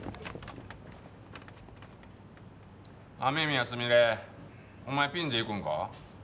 雨宮すみれお前ピンでいくんか？